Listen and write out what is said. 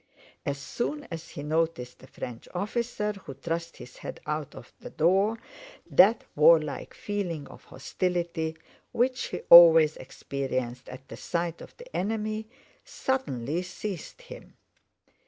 As soon as he noticed a French officer, who thrust his head out of the door, that warlike feeling of hostility which he always experienced at the sight of the enemy suddenly seized him.